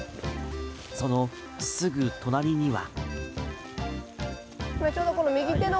そのすぐ隣には。